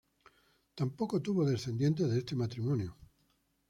Tampoco tuvo descendiente de este matrimonio.